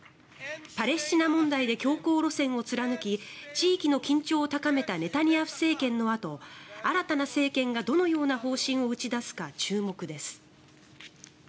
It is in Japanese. パレスチナ問題で強硬路線を貫き地域の緊張を高めたネタニヤフ政権のあと新たな政権がどのような方針を打ち出すか注目です。